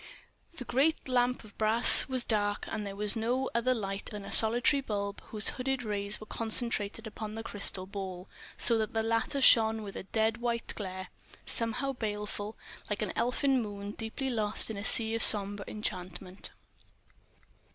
The great lamp of brass was dark, and there was no other light than a solitary bulb, whose hooded rays were concentrated upon the crystal ball, so that the latter shone with a dead white glare, somehow baleful, like an elfin moon deeply lost in a sea of sombre enchantment.